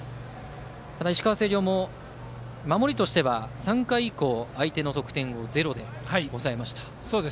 ただ石川・星稜も３回以降相手の得点をゼロで抑えました。